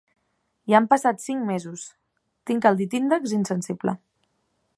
Ja han passat cinc mesos, tinc el dit índex insensible